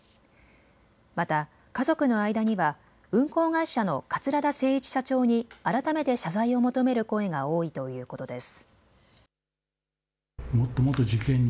また家族の間には運航会社の桂田精一社長に改めて謝罪を求める声が多いということです。